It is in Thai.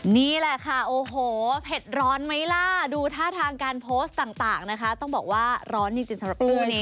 นี่แหละค่ะโอ้โหเผ็ดร้อนไหมล่ะดูท่าทางการโพสต์ต่างนะคะต้องบอกว่าร้อนจริงสำหรับคู่นี้